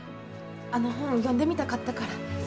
あの本読んでみたかったから。